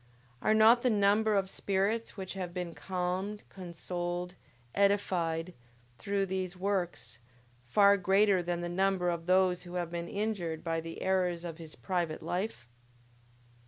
Are not the number of spirits which have been calmed, consoled, edified, through these works, far greater than the number of those who have been injured by the errors of his private life?